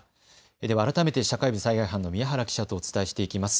では改めて社会部災害班の宮原記者とお伝えしていきます。